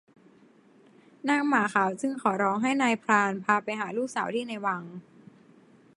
นางหมาขาวจึงขอร้องให้นายพรานพาไปหาลูกสาวที่ในวัง